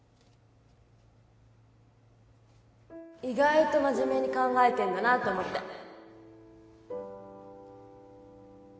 意外と真面目に考えてんだなと思って